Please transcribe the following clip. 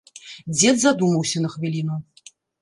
Дзед задумаўся на хвіліну.